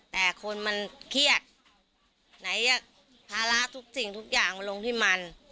แต่คนมันเครียดไหนภาระทุกสิ่งทุกอย่างมาลงที่มัน